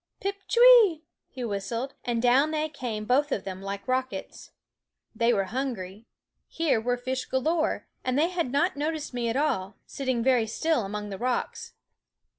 Pip, ch^weee! he whistled, and down they came, both of them, like rockets. They 103 fishermen THE WOODS were hungry ; here were fish galore ; and they had not noticed me at all, sitting very sj ^ fr if still among the rocks.